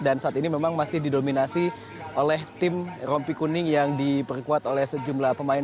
dan saat ini memang masih didominasi oleh tim rompi kuning yang diperkuat oleh sejumlah pemain